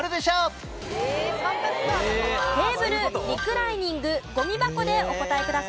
「テーブル」「リクライニング」「ゴミ箱」でお答えください。